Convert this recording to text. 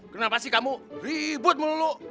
kenapa sih kamu ribut mulu mulu